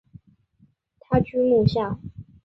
他居墓下。